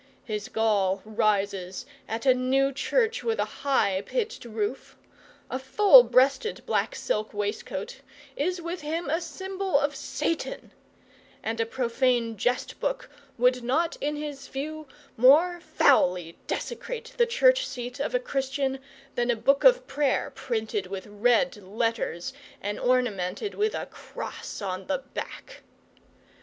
His gall rises at a new church with a high pitched roof; a full breasted black silk waistcoat is with him a symbol of Satan; and a profane jest book would not, in his view, more foully desecrate the church seat of a Christian, than a book of prayer printed with red letters, and ornamented with a cross on the back.